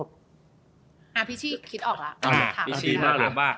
พิธีคิดออกแล้ว